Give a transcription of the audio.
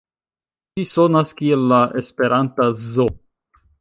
Ĝi sonas kiel la esperanta Zo.